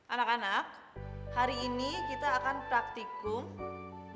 anak anak hari ini kita akan praktikum